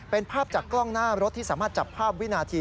เป็นภาพจากกล้องหน้ารถที่สามารถจับภาพวินาที